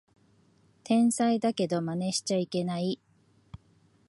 天才だけどマネしちゃいけない